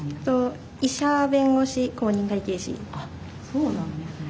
そうなんですね。